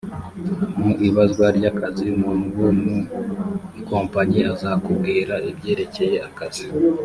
mu ibazwa ry akazi umuntu wo mu ikompanyi azakubwira ibyerekeye akazi